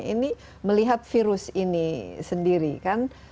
ini melihat virus ini sendiri kan